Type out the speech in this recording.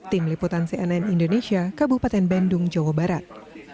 tim liputan cnn indonesia kabupaten bandung jawa barat